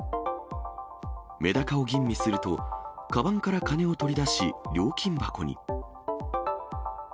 メダカを吟味すると、かばんから金を取り出し、料金箱に。